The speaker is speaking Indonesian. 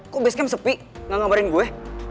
kok basecamp sepi gak ngabarin gue